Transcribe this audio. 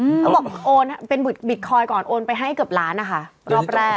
เขาบอกโอนเป็นบิตคอยนก่อนโอนไปให้เกือบล้านนะคะรอบแรก